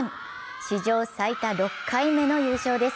史上最多の６回目の優勝です。